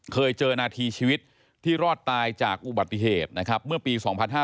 เคยเจอหน้าทีชีวิตที่รอดตายจากอุบัติเทพฯเมื่อปี๒๕๔๓